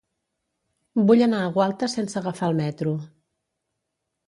Vull anar a Gualta sense agafar el metro.